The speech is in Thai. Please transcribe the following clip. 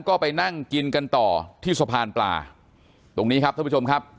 ก็ไปนั่งกินกันต่อที่สะพานปลาตรงนี้ครับท่านผู้ชมครับ